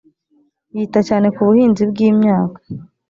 yita cyane cyane ku buhinzi bw’imyaka